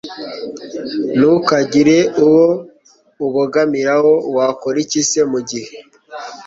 Ntukagire uwo ubogamiraho Wakora iki se mu gihe